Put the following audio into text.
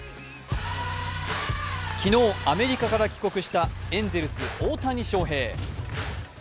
昨日、アメリカから帰国したエンゼルス・大谷翔平。